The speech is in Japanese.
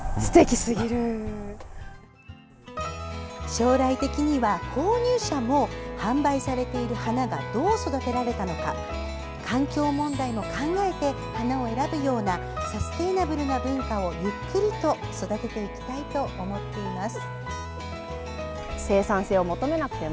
将来的には購入者も販売されている花がどう育てられたのか環境問題も考えて花を選ぶようなサステイナブルな文化をゆっくりと育てていきたいと思っています。